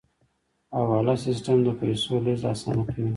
حواله سیستم د پیسو لیږد اسانه کوي